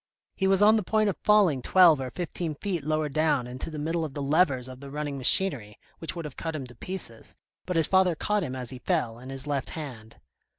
He was on the point of falling twelve or fifteen feet lower down into the middle of the levers of the running machinery which would have cut him to pieces, but his father caught him as he fell, in his left hand.